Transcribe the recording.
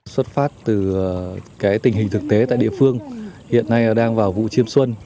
xuất phát từ tình hình thực tế tại địa phương hiện nay đang vào vụ chiêm xuân